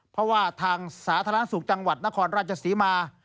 เพราะว่าทางสาธารณสุขจังหวัดนครราชศรีมา